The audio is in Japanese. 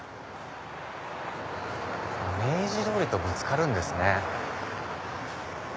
明治通りとぶつかるんですね。